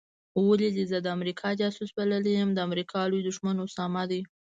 ولي دي زه د امریکا جاسوس بللی یم د امریکا لوی دښمن اسامه دی